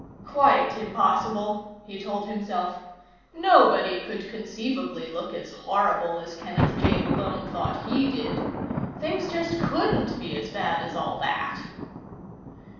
Quite impossible, he told himself. Nobody could conceivably look as horrible as Kenneth J. Malone thought he did. Things just couldn't be as bad as all that.